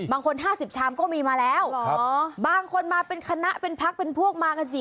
บางคนห้าสิบช้ามก็มีมาแล้วหรอบางคนมาเป็นคณะเป็นพักเป็นพวกมากันสิ